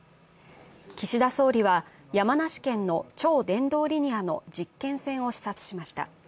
岸田総理は、山梨県の超電導リニアの実験線を視察しました。